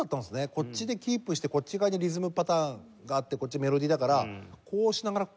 こっちでキープしてこっち側にリズムパターンがあってこっちメロディだからこうしながらこうやる。